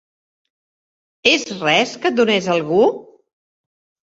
És res que et donés algú?